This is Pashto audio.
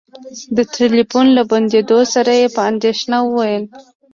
د ټلفون له بندولو سره يې په اندېښنه وويل.